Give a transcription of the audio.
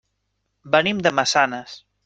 Venim de Massanes.